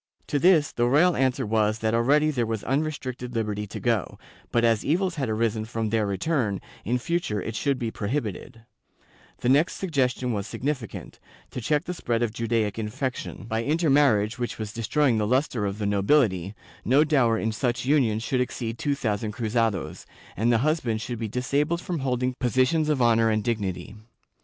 To this the royal answer was that already there was unrestricted liberty to go, but as evils had arisen from their return, in future it should be prohibited. The next sug gestion was significant; to check the spread of Judaic infection, » Bibl. nacional, MSS., D, 118, fol. 250, n. 66. Chap. I] PORTUGUESE JEWS 277 by intermarriage, which was destroying the lustre of the nobility, no dower in such unions should exceed two thousand cruzados, and the husband should be disabled from holding positions of honor and dignity.